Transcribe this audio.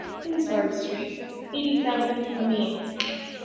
Pinsard street, eighty thousand Amiens